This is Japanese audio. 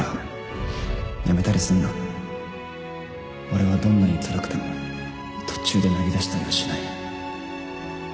俺はどんなにつらくても途中で投げ出したりはしない